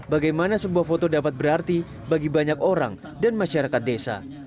bagaimana sebuah foto dapat berarti bagi banyak orang dan masyarakat desa